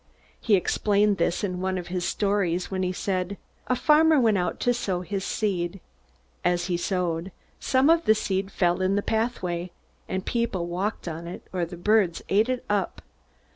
He explained this in one of his stories when he said: "A farmer went out to sow his seed. As he sowed, some of the seed fell in the pathway, and people walked on it, or the birds ate it up.